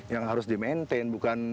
yang harus di maintain bukan